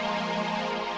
kamu harus menikahi cathy